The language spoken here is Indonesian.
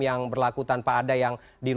yang berlaku tanpa ada yang di